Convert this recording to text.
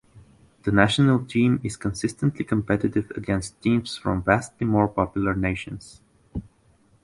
The national team is consistently competitive against teams from vastly more populous nations.